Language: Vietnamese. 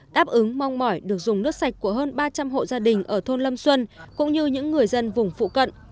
đáp ứng mong mỏi được dùng nước sạch của hơn ba trăm linh hộ gia đình ở thôn lâm xuân cũng như những người dân vùng phụ cận